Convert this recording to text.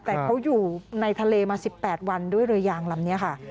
แต่เขาอยู่ในทะเลมา๑๘วันด้วยเรือยางลำนี้ค่ะ